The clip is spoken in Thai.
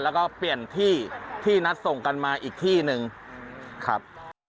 แล้วก็เปลี่ยนที่ที่นัดส่งกันมาอีกที่หนึ่งครับ